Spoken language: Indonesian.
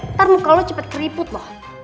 ntar muka lo cepet keriput loh